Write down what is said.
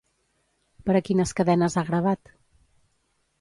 Per a quines cadenes ha gravat?